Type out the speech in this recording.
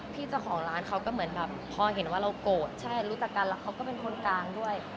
พี่เจ้าของร้านเขาก็เหมือนแบบพอเห็นว่าเราโกรธใช่รู้จักกันแล้วเขาก็เป็นคนกลางด้วย